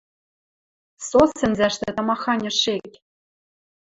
Со сӹнзӓштӹ тамаханьы шек.